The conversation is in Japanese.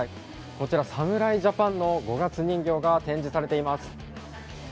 こちら、侍ジャパンの五月人形が展示されています。